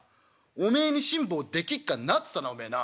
『おめえに辛抱できっかな』っつったなおめえな。